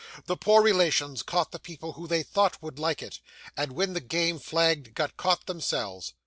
The poor relations caught the people who they thought would like it, and, when the game flagged, got caught themselves.